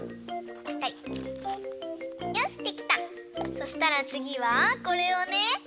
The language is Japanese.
そしたらつぎはこれをね